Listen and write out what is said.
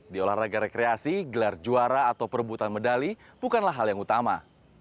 di olahraga rekreasi gelar juara atau perebutan medali bukanlah hal yang utama